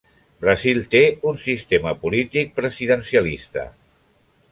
Brasil té un sistema polític presidencialista.